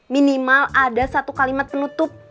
minimal ada satu kalimat penutup